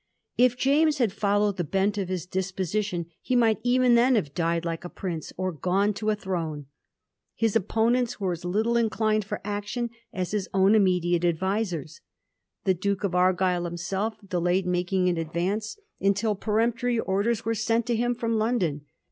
If James had followed the bent of his own disposition, he might even then have died like a prince, or gone on to a throne. His opponents were as little inclined for action as his own inunediate 4ulvisers. The Duke of Argyll himself delayed making an advance until peremptory orders were sent to him from London.